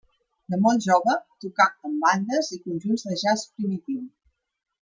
De molt jove, tocà en bandes i conjunts de jazz primitiu.